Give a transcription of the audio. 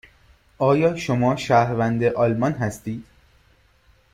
آیا شما شهروند آلمان هستید؟